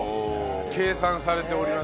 計算されております。